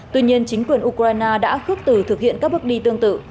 tuy nhiên chính quyền ukraine đã khước từ thực hiện các bước đi tương tự